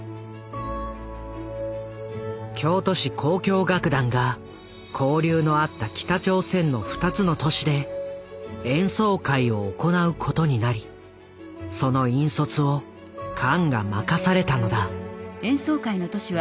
京都市交響楽団が交流のあった北朝鮮の２つの都市で演奏会を行うことになりその引率をカンが任されたのだ。